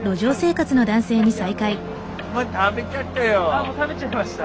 あっもう食べちゃいました？